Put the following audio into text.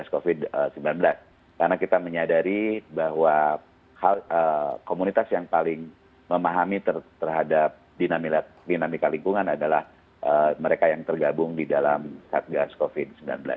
karena kita menyadari bahwa komunitas yang paling memahami terhadap dinamika lingkungan adalah mereka yang tergabung di dalam saat covid sembilan belas